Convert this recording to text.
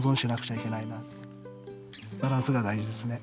バランスが大事ですね。